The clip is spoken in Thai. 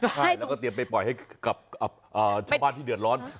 ใช่แล้วก็เตรียมไปปล่อยให้กับชาวบ้านที่เดือดร้อน